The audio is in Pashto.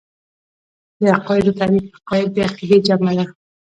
د عقايدو تعريف عقايد د عقيدې جمع ده .